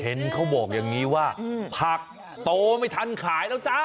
เห็นเขาบอกอย่างนี้ว่าผักโตไม่ทันขายแล้วจ้า